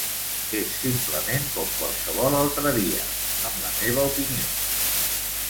És simplement com qualsevol altre dia, en la meva opinió.